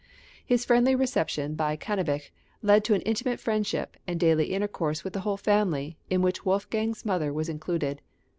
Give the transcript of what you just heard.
His friendly reception by Cannabich led to an intimate friendship and daily intercourse with the whole family, in which Wolfgang's mother was included.